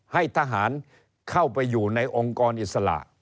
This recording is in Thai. ให้ทหารเข้าไปอยู่ในองค์กรอิสระ